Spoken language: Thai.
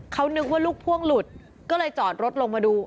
เขานึกว่าลูกพ่วงหลุดก็เลยจอดรถลงมาดู